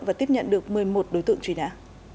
và tiếp nhận được một mươi một đối tượng truy nã